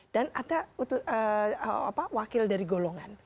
dan ada wakil dari golongan